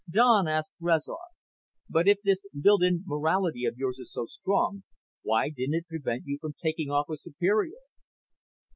Don asked Rezar, "But if this built in morality of yours is so strong, why didn't it prevent you from taking off with Superior?"